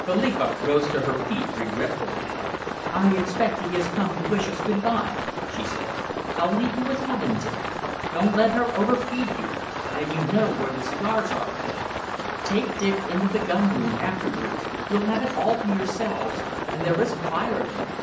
Philippa rose to her feet regretfully. "I expect he has come to wish us good by," she said. "I'll leave you with Helen, Dick. Don't let her overfeed you. And you know where the cigars are, Helen. Take Dick into the gun room afterwards. You'll have it all to yourselves and there is a fire there."